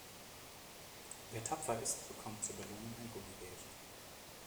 Wer tapfer ist, bekommt zur Belohnung ein Gummibärchen.